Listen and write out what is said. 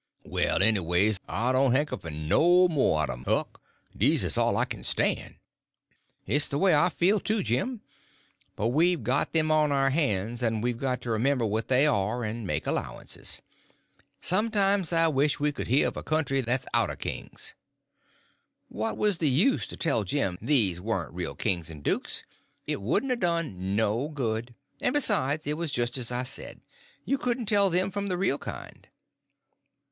"Well, anyways, I doan' hanker for no mo' un um, Huck. Dese is all I kin stan'." "It's the way I feel, too, Jim. But we've got them on our hands, and we got to remember what they are, and make allowances. Sometimes I wish we could hear of a country that's out of kings." What was the use to tell Jim these warn't real kings and dukes? It wouldn't a done no good; and, besides, it was just as I said: you couldn't tell them from the real kind.